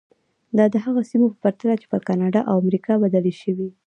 دا د هغو سیمو په پرتله چې پر کاناډا او امریکا بدلې شوې.